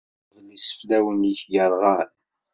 Ad d-iqbel iseflawen-ik yerɣan!